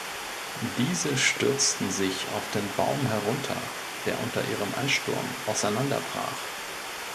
Diese stürzten sich auf den Baum herunter, der unter ihrem Ansturm auseinanderbrach.